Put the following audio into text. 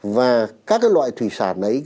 và các loại thủy sản này